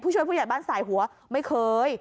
ช่วยผู้ใหญ่บ้านสายหัวไม่เคย